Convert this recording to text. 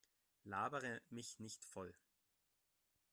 Labere mich nicht voll!